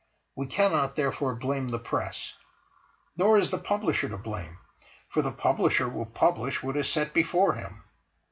We cannot, therefore, blame the Press. Nor is the Publisher to blame; for the Publisher will publish what is set before him.